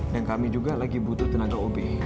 dan kami juga lagi butuh tenaga op